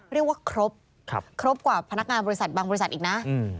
เรียกว่าครบครบกว่าพนักงานบริษัทบางบริษัทอีกนะ